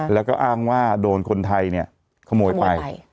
แล้วก็อ้างว่าโดนคนไทยขโมยไป